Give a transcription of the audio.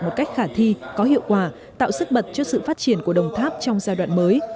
một cách khả thi có hiệu quả tạo sức bật cho sự phát triển của đồng tháp trong giai đoạn mới